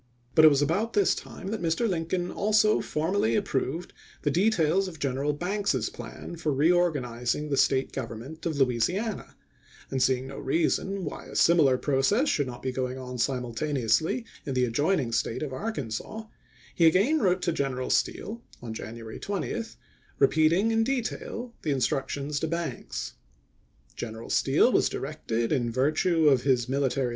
But it was about this time that Mr. Lincoln also formally approved the details of General Banks's plan for reorganizing the State gov ernment of Louisiana; and seeing no reason why a similar process should not be going on simul taneously in the adjoining State of Arkansas, he again wrote to General Steele, on January 20, re Lincoln to Steele, Jan. 5, 1864 MS. AKKANSAS FREE 413 peating in detail the instructions to Banks. GTen chap. xvi. eral Steele was directed, in virtue of his military jaii.